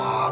ah ya lah